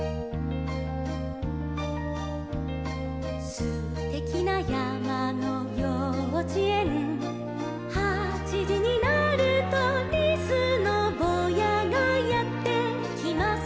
「すてきなやまのようちえん」「はちじになると」「リスのぼうやがやってきます」